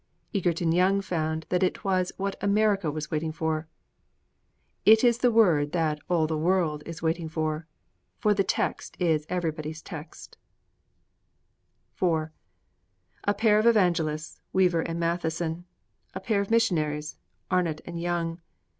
Egerton Young found that it was what America was waiting for! It is the word that all the world is waiting for! For that text is Everybody's Text! IV A pair of evangelists Weaver and Matheson! A pair of missionaries Arnot and Young!